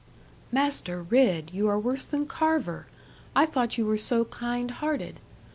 'Master Ridd, you are worse than Carver! I thought you were so kind hearted.